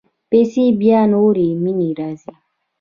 پسې بیا نورې مینې راځي.